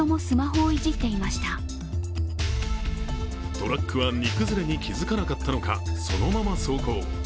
トラックは荷崩れに気づかなかったのか、そのまま走行。